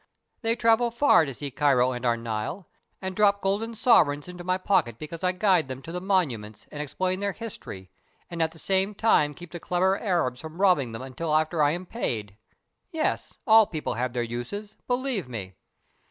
They travel far to see Cairo and our Nile, and drop golden sovereigns into my pockets because I guide them to the monuments and explain their history, and at the same time keep the clever Arabs from robbing them until after I am paid. Yes; all people have their uses, believe me."